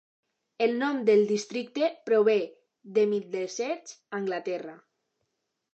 El nom del districte prové de Middlesex, Anglaterra.